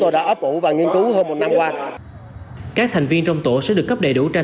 ta đã sử dụng và nghiên cứu hơn một năm qua các thành viên trong tổ sẽ được cấp đầy đủ tranh